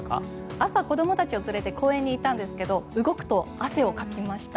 朝、子どもたちを連れて公園に行ったんですが動くと汗をかきました。